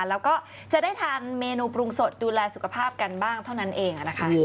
แล้วก็จะได้ทานเมนูปรุงสดดูแลสุขภาพกันบ้างเท่านั้นเองนะคะ